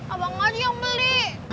abang aja yang beli